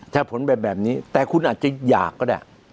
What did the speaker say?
ถ้าผลเป็นแบบนี้แต่คุณอาจจะอยากก็ได้